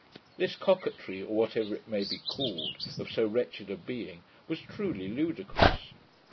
This coquetry, or whatever it may be called, of so wretched a being, was truly ludicrous.